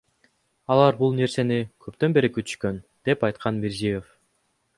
Алар бул нерсени көптөн бери күтүшкөн, — деп айткан Мирзиёев.